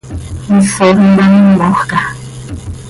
¿Misoj intamímojca?